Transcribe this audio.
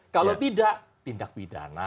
kalau tidak tindak pidana